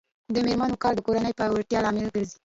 د میرمنو کار د کورنۍ پیاوړتیا لامل ګرځي.